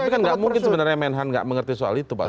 tapi kan nggak mungkin sebenarnya menhan nggak mengerti soal itu pak